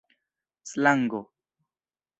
slango